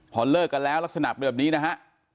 พอเลิกกันแล้วลักษณะเป็นแบบนี้นะฮะ